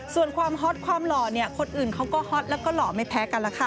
ส่วนความฮอตความหล่อเนี่ยคนอื่นเขาก็ฮอตแล้วก็หล่อไม่แพ้กันล่ะค่ะ